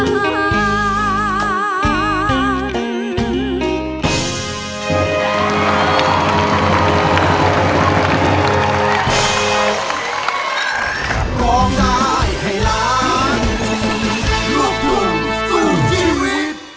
ช่างพ่อส้อใจฉันไม่เปลี่ยนไป